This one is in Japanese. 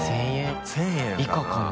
１０００円以下かな？